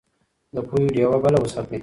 د پوهې ډيوه بله وساتئ.